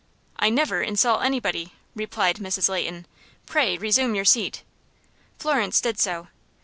"I never insult anybody," replied Mrs. Leighton. "Pray, resume your seat." Florence did so.